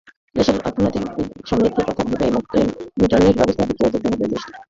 দেশের অর্থনৈতিক সমৃদ্ধির কথা ভেবেই মুক্ত ইন্টারনেট-ব্যবস্থার দিকে যেতে হবে দেশটিকে।